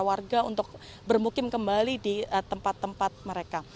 warga untuk bermukim kembali di tempat tempat mereka